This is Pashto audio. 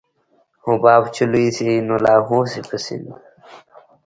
حباب چې لوى شي نو لاهو شي په سيند.